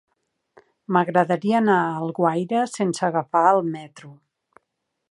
M'agradaria anar a Alguaire sense agafar el metro.